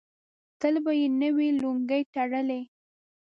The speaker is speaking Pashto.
تل به یې نوې لونګۍ تړلې.